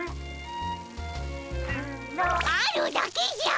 あるだけじゃ！